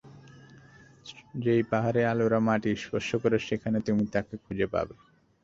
যেই পাহাড়ে আলোরা মাটি স্পর্শ করে, সেখানে তুমি তাকে খুঁজে পাবে।